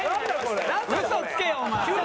嘘つけお前！